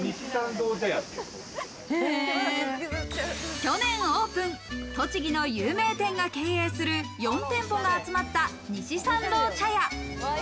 去年オープン、栃木の有名店が経営する４店舗が集まった西参道茶屋。